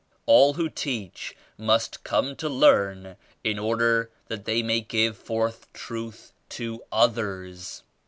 AIL who teach must come to learn in order that they may give forth Truth to others.